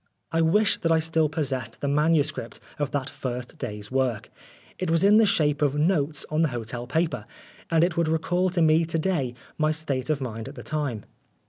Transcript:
I wish that I still possessed the manuscript of that first day's work. It was in the shape of notes on the hotel paper, and it would recall to me to day my state of mind at the time.